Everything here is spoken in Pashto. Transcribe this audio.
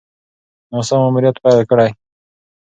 ناسا ماموریت پیل کړی.